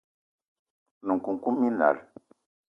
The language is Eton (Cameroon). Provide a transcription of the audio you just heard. One nkoukouma minal